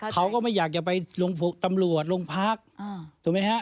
เขาก็ไม่อยากจะไปลงตำรวจโรงพักถูกไหมฮะ